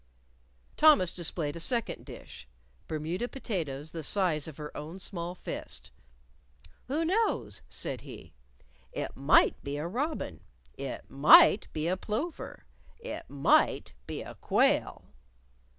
Thomas displayed a second dish Bermuda potatoes the size of her own small fist. "Who knows?" said he. "It might be a robin, it might be a plover, it might be a quail."